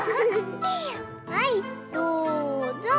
はいどうぞ！